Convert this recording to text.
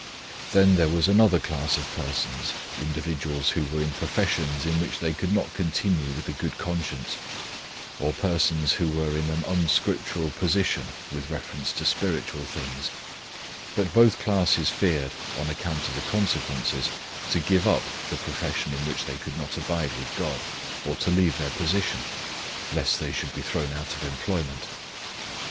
"Then there was another class of persons, individuals who were in professions in which they could not continue with a good conscience, or persons who were in an unscriptural position with reference to spiritual things; but both classes feared, on account of the consequences, to give up the profession in which they could not abide with God, or to leave their position, lest they should be thrown out of employment.